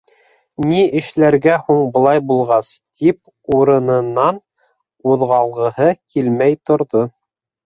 Ни эшләргә һуң былай булғас? — тип урынынан ҡуҙғалғыһы килмәй торҙо.